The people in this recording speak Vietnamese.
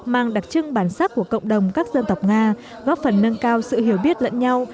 mang đặc trưng bản sắc của cộng đồng các dân tộc nga góp phần nâng cao sự hiểu biết lẫn nhau